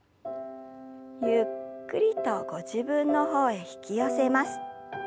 ゆっくりとご自分の方へ引き寄せます。